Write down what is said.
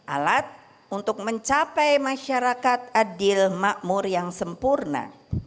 alat untuk mencapai masyarakat adil makmur yang sempurna